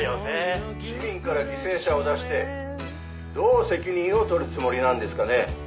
「市民から犠牲者を出してどう責任を取るつもりなんですかね」